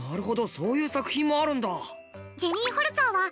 そういう作品もあるんだ。